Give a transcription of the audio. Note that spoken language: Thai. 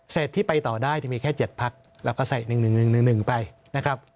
เศษที่ไปต่อได้จะมีแค่๗พักแล้วก็ใส่๑๑๑๑ไป